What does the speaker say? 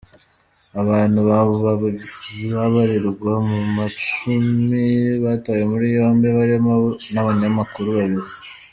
Abantu babarirwa mu macumi batawe muri yombi barimo n'abanyamakuru babiri.